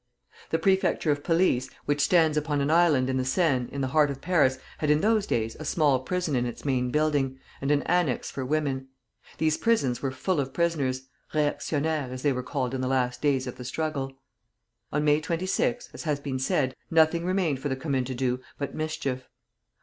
The Prefecture of Police, which stands upon an island in the Seine, in the heart of Paris, had in those days a small prison in its main building, and an annex for women. These prisons were full of prisoners, réactionnaires, as they were called in the last days of the struggle. On May 26, as has been said, nothing remained for the Commune to do but mischief.